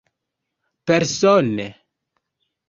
persone